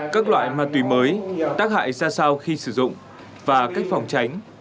các loại ma túy mới tác hại ra sao khi sử dụng và cách phòng tránh